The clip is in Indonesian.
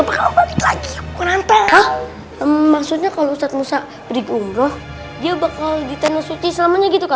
maksudnya kalau ustadz musa berikung roh dia bakal ditanah suci selamanya gitu kak